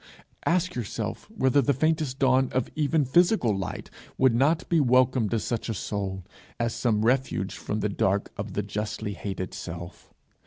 Ask yourself whether the faintest dawn of even physical light would not be welcome to such a soul as some refuge from the dark of the justly hated self.